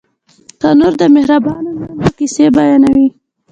تنور د مهربانو میندو کیسې بیانوي